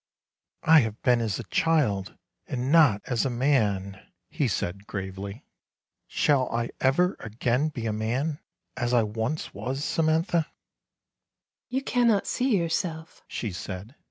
" I have been as a child, and not as a man," he said gravely. " Shall I ever again be a man, as I once was, Samantha ?"" You cannot see yourself," she said.